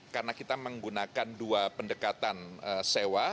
karena kita menggunakan dua pendekatan sewa